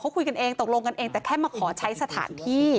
เขาคุยกันเองตกลงกันเองแต่แค่มาขอใช้สถานที่